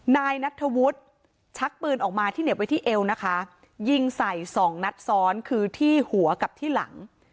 นายนัทธวุฒิชักปืนออกมาที่เหน็บไว้ที่เอวนะคะยิงใส่สองนัดซ้อนคือที่หัวกับที่หลัง